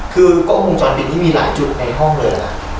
คือกล้องวงจรปิดนี้มีหลายจุดในห้องเลย